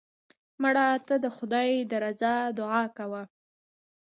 مړه ته د خدای د رضا دعا کوو